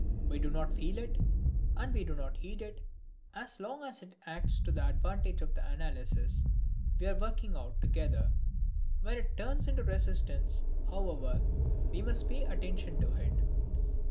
We do not feel it and need not heed it as long as it acts to the advantage of the analysis we are working out together. When it turns into resistance, however, we must pay attention to it.